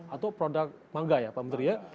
atau produk mangga ya pak menteri ya